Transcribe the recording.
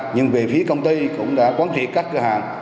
nhưng về phía công ty cũng đã quán triệt các cửa hàng